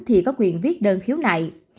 thì có quyền viết đơn khiếu nại